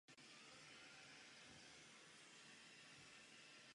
V důsledku toho se nazývá solární analog.